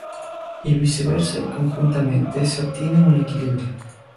Y viceversa y conjuntamente se obtiene un equilibrio.